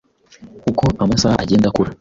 uko amasaha agenda akura,